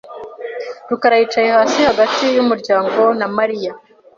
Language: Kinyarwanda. rukarayicaye hasi hagati yumuryango na Mariya.